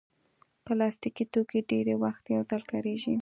پلاستيکي توکي ډېری وخت یو ځل کارېږي.